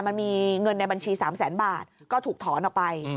มันมีเงินในบัญชี๓แสนบาทก็ถูกถอนออกไป